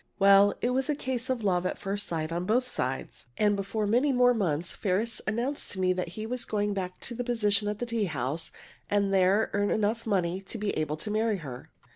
Well, it was a case of love at first sight on both sides! And before many more months Ferris announced to me that he was going back into the position at the tea house and there earn enough money to be able to marry her.